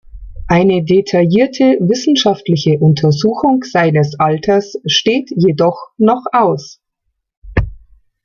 Eine detaillierte wissenschaftliche Untersuchung seines Alters steht jedoch noch aus.